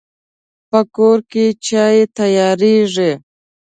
په کور کې چای تیاریږي